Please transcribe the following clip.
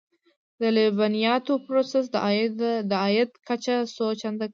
د لبنیاتو پروسس د عاید کچه څو چنده کوي.